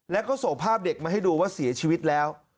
แล้วก็ส่งภาพเด็กมาให้ดูว่าเสียชีวิตแล้ว